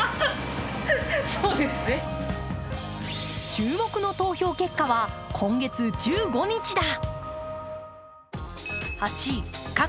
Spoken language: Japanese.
注目の投票結果は今月１５日だ。